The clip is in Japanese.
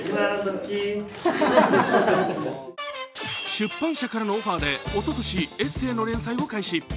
出版社からのオファーでおととし、エッセイの連載を開始。